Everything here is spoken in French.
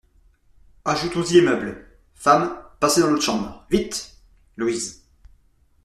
Ajoutons-y les meubles ! Femmes, passez dans l'autre chambre, vite ! LOUISE.